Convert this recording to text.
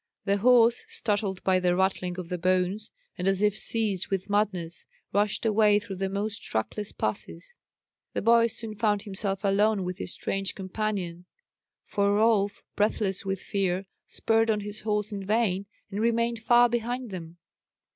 The horse, startled by the rattling of the bones, and as if seized with madness, rushed away through the most trackless passes. The boy soon found himself alone with his strange companion; for Rolf, breathless with fear, spurred on his horse in vain, and remained far behind them.